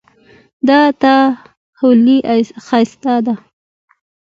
د تا خولی ښایسته ده